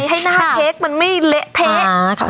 ให้หน้าเค้กมันไม่เละเทะ